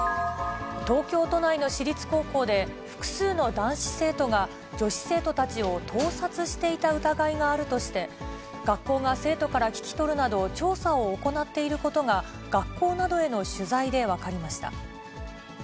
東京都内の私立高校で、複数の男子生徒が女子生徒たちを盗撮していた疑いがあるとして、学校が生徒から聞き取るなど、調査を行っていることが、学校などへの取材で分かりました。